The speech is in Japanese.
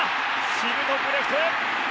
しぶとくレフトへ。